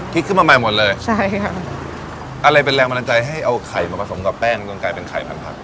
คิดขึ้นมาใหม่หมดเลยใช่ค่ะอะไรเป็นแรงบันดาลใจให้เอาไข่มาผสมกับแป้งจนกลายเป็นไข่มันผัก